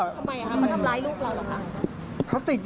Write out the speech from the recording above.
ทำไมมันทำร้ายลูกเราหรือครับ